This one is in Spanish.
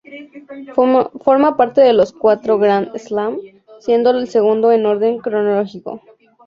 Forma parte de los cuatro Grand Slam, siendo el segundo en orden cronológico.